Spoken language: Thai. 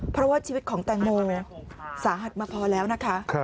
เพราะว่าชีวิตของแตงโมสาหัสมาพอแล้วนะคะ